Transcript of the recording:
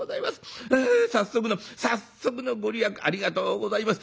早速の早速の御利益ありがとうございます。